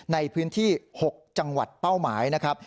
ในพื้นที่๖จังหวัดเป้าหมายนะครับ